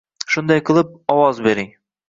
Shunday qilib, ovoz bering